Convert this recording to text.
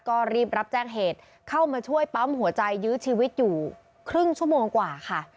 ก็รีบรับแจ้งเหตุเข้ามาช่วยปั๊มหัวใจยื้อชีวิตอยู่ครึ่งชั่วโมงกว่าค่ะ